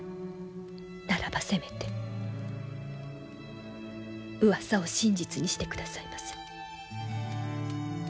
ならばせめてうわさを真実にしてくださいませ。